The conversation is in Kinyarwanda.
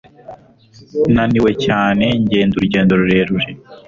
Naniwe cyane ngenda urugendo rurerure.